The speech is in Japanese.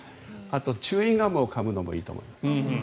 あとチューインガムをかむのもいいと思います。